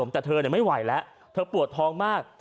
แต่เธอไม่ไหวแล้วเธอปวดท้องมาก